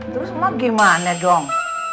terus mak gimana dong